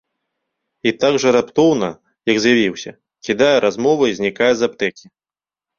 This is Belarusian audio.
І так жа раптоўна, як з'явіўся, кідае размову і знікае з аптэкі.